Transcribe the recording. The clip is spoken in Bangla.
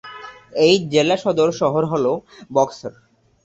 এই জেলার সদর শহর হল বক্সার।